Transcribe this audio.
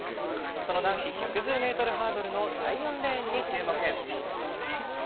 その男子１１０ｍハードルの第４レーンに注目。